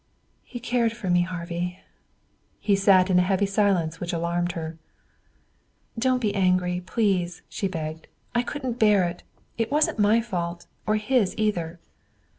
"He cared for me, Harvey." He sat in a heavy silence which alarmed her. "Don't be angry, please," she begged. "I couldn't bear it. It wasn't my fault, or his either."